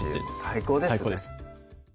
最高です